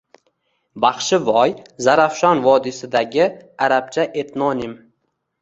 Baxshivoy – Zarafshon vodiysidagi arabcha etnonim.